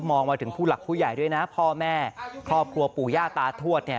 มาถึงผู้หลักผู้ใหญ่ด้วยนะพ่อแม่ครอบครัวปู่ย่าตาทวดเนี่ย